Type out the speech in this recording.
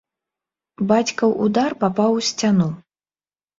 Бацькаў удар папаў у сцяну.